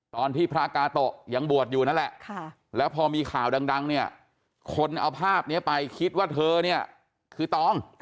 ตอนที่พระกาโตะยังบวชอยู่นั่นแหละแล้วพอมีข่าวดังเนี่ยคนเอาภาพนี้ไปคิดว่าเธอเนี่ยคือตอง